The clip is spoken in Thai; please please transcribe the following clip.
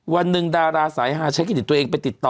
วันหนึ่งดาราสายฮาใช้เครดิตตัวเองไปติดต่อ